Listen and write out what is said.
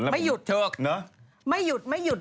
ไม่หยุดเถอะไม่หยุดไม่หยุด